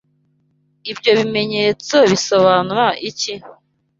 Ibyo bimenyetso bisobanura iki?